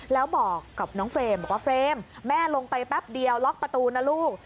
แล้วบอกกับน้องเฟรมบอกว่าเฟรมแม่ลงไปแป๊บเดียวล็อกประตูนะลูก